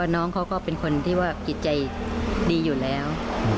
น้องเขาก็เป็นคนที่ว่าจิตใจดีอยู่แล้ว